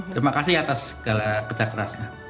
terima kasih atas segala kerja kerasnya